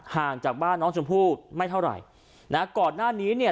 ห่างจากบ้านน้องชมพู่ไม่เท่าไหร่นะก่อนหน้านี้เนี่ย